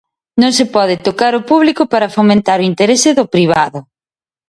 Non se pode tocar o publico para fomentar o interese do privado.